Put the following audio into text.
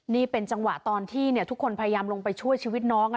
นี่เป็นจังหวะตอนที่ทุกคนพยายามลงไปช่วยชีวิตน้อง